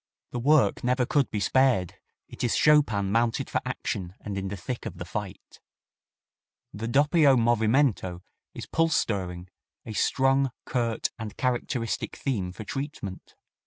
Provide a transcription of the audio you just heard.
The work never could be spared; it is Chopin mounted for action and in the thick of the fight. The doppio movimento is pulse stirring a strong, curt and characteristic theme for treatment.